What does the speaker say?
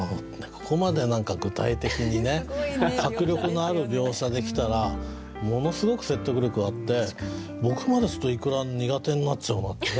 ここまで何か具体的にね迫力のある描写で来たらものすごく説得力あって僕までイクラ苦手になっちゃうなってね。